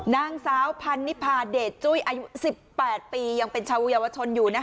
นางสาวพันนิพาณเดชจุ้ยอายุสิบแปดปียังเป็นชาวุยาวชนอยู่นะคะ